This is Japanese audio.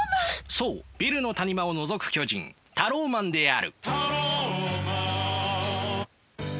そうビルの谷間をのぞく巨人タローマンである。